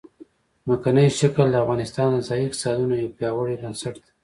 ځمکنی شکل د افغانستان د ځایي اقتصادونو یو پیاوړی بنسټ دی.